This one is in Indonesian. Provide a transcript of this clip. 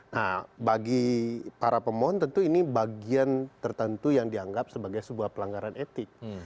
nah bagi para pemohon tentu ini bagian tertentu yang dianggap sebagai sebuah pelanggaran etik